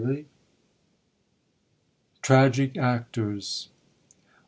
TRAGIC ACTORS.